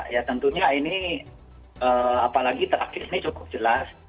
ya tentunya ini apalagi terakhir ini cukup jelas